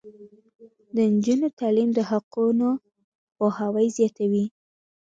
د نجونو تعلیم د حقونو پوهاوی زیاتوي.